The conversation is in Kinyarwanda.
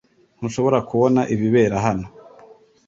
Ntushobora kubona ibibera hano